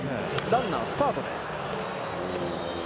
ランナースタートです。